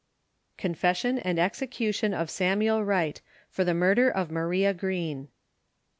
CONFESSION AND EXECUTION OF SAMUEL WRIGHT, For the MURDER of MARIA GREEN.